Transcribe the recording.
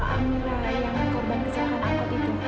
amira yang korban kecelakaan amat itu